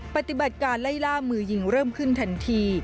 ปฏิบัติการไล่ล่ามือยิงเริ่มขึ้นทันที